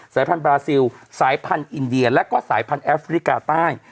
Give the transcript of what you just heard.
พันธบราซิลสายพันธุ์อินเดียแล้วก็สายพันธุแอฟริกาใต้